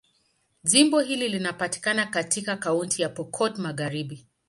Jimbo hili linapatikana katika Kaunti ya Pokot Magharibi.